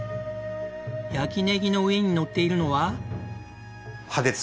焼きねぎの上にのっているのは。